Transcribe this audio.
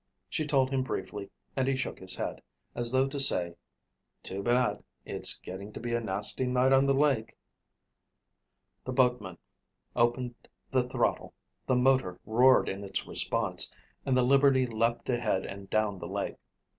She told him briefly and he shook his head, as though to say, "too bad, it's getting to be a nasty night on the lake." The boatman opened the throttle, the motor roared its response and the Liberty leaped ahead and down the lake.